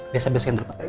biasa biasakan dulu pak